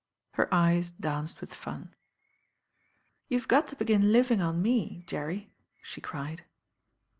Her eyes danced with fun. "You've got to begin living on me, Jerry," she cried.